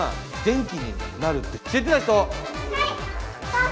はい！